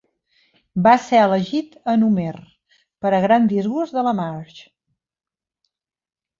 Va ser elegit en Homer, per a gran disgust de la Marge.